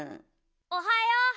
おはよう！